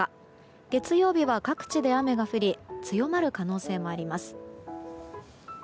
月曜日は各地で雨が降り強まる可能性もあります。